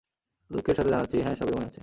দুঃখের সাথে জানাচ্ছি, হ্যাঁ সবই মনে আছে।